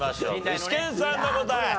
具志堅さんの答え。